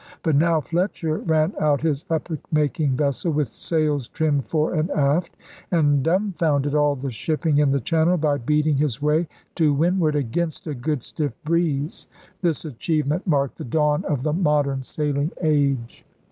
But now Fletcher ran out his epoch making vessel, with sails trimmed fore and aft, and dumbfounded all the shipping in the Channel by beating his way to windward against a good stiff breeze. This achievement marked the dawn of the modern sailing age.